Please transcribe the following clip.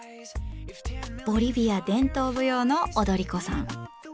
ボリビア伝統舞踊の踊り子さん！